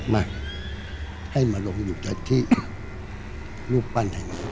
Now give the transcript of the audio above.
มาให้มาลงอยู่ในที่ลูกวันให้มี